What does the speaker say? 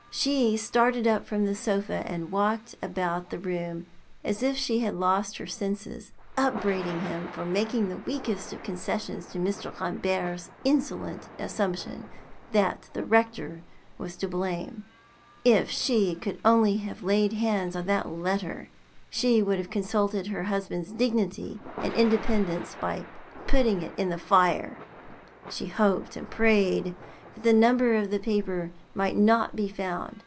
She started up from the sofa and walked about the room as if she had lost her senses, upbraiding him for making the weakest of concessions to Mr. Rambert's insolent assumption that the rector was to blame. If she could only have laid hands on that letter, she would have consulted her husband's dignity and independence by putting it in the fire! She hoped and prayed the number of the paper might not be found!